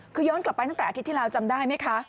คือย้อนกลับไปตั้งแต่อาทิตย์ที่แล้วจำได้ไหมคะ